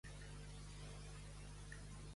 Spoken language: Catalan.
Què ha afirmat sobre ell i Puigdemont?